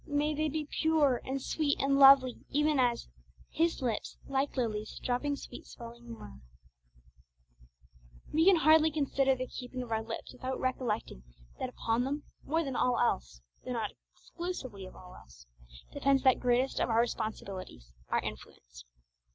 May they be pure, and sweet, and lovely, even as 'His lips, like lilies, dropping sweet smelling myrrh.' We can hardly consider the keeping of our lips without recollecting that upon them, more than all else (though not exclusively of all else), depends that greatest of our responsibilities, our influence.